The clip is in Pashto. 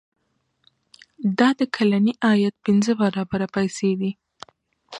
دا د کلني عاید پنځه برابره پیسې دي.